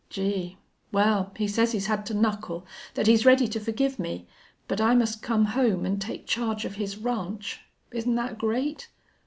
Gee!... Well, he says he's had to knuckle. That he's ready to forgive me. But I must come home and take charge of his ranch. Isn't that great?...